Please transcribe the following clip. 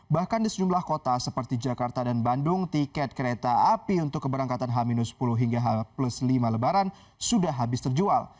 bahkan di sejumlah kota seperti jakarta dan bandung tiket kereta api untuk keberangkatan h sepuluh hingga h lima lebaran sudah habis terjual